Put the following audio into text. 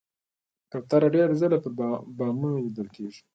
کوتره ډېر ځله پر بامونو لیدل کېږي.